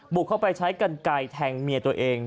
บุกเข้าไปใช้กันไกลแทงเมียตัวเอง